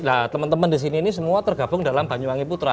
nah teman teman di sini ini semua tergabung dalam banyuwangi putra